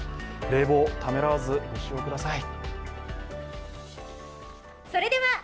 冷房、ためらわず、ご使用ください。